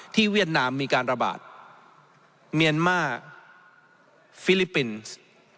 เวียดนามมีการระบาดเมียนมาร์ฟิลิปปินส์